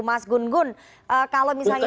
mas gun gun kalau misalnya